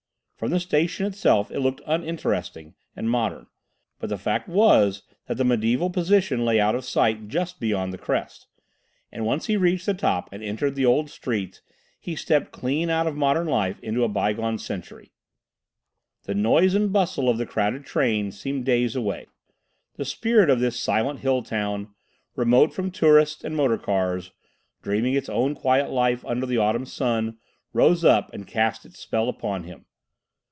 From the station itself it looked uninteresting and modern, but the fact was that the mediaeval position lay out of sight just beyond the crest. And once he reached the top and entered the old streets, he stepped clean out of modern life into a bygone century. The noise and bustle of the crowded train seemed days away. The spirit of this silent hill town, remote from tourists and motor cars, dreaming its own quiet life under the autumn sun, rose up and cast its spell upon him.